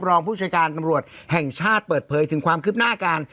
ผู้จัดการตำรวจแห่งชาติเปิดเผยถึงความคืบหน้าการ